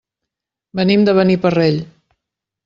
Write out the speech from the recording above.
Venim de Beniparrell.